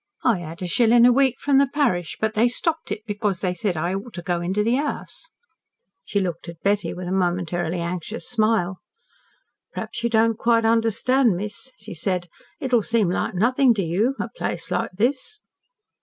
I 'ad a shilling a week from the parish, but they stopped it because they said I ought to go into the 'Ouse.'" She looked at Betty with a momentarily anxious smile. "P'raps you don't quite understand, miss," she said. "It'll seem like nothin' to you a place like this."